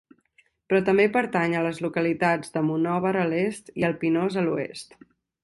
Però també pertany a les localitats de Monòver a l'est i El Pinós a l'oest.